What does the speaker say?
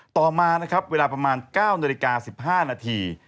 ต่อมานะครับเวลาประมาณ๙นาฬิกา๑๕นาที